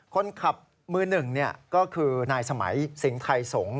คนขับมือหนึ่งก็คือนายสมัยสิงห์ไทยสงศ์